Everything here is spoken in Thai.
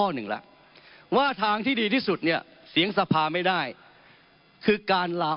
หนึ่งแล้วว่าทางที่ดีที่สุดเนี่ยเสียงสภาไม่ได้คือการลา